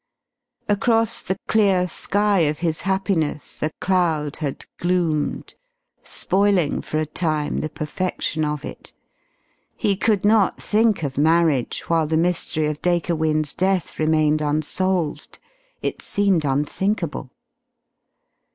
Across the clear sky of his happiness a cloud had gloomed, spoiling for a time the perfection of it. He could not think of marriage while the mystery of Dacre Wynne's death remained unsolved. It seemed unthinkable.